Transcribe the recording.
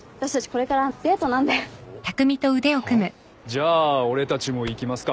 じゃあ俺たちも行きますか。